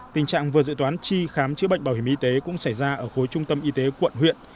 tình trạng vừa dự toán tri khám chữa bệnh bảo hiểm y tế cũng xảy ra ở khối trung tâm y tế quận huyện